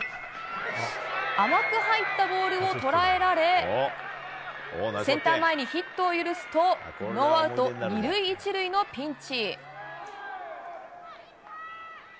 甘く入ったボールを捉えられセンター前にヒットを許すとノーアウト２塁１塁のピンチ。